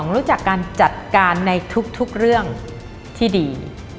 รู้จักการจัดการในทุกเรื่องที่ดี